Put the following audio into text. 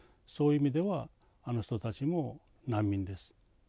そういう意味ではあの人たちも「難民」です。